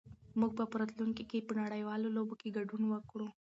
موږ به په راتلونکي کې په نړيوالو لوبو کې ګډون وکړو.